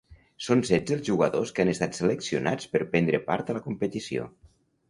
Són setze els jugadors que han estat seleccionats per prendre part a la competició.